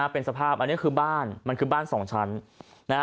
เป็นสภาพอันนี้คือบ้านมันคือบ้าน๒ชั้น